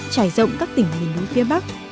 trải rộng các tỉnh hình núi phía bắc